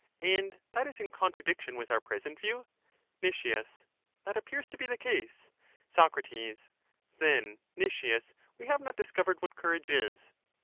And that is in contradiction with our present view? Nic. That appears to be the case. Soc. Then, Nicias, we have not discovered what courage is.